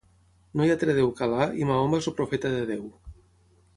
No hi ha altre Déu que Al·là i Mahoma és el Profeta de Déu.